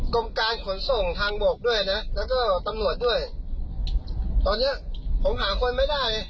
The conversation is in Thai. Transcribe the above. กรมการขนส่งทางบกด้วยนะแล้วก็ตำรวจด้วยตอนเนี้ยผมหาคนไม่ได้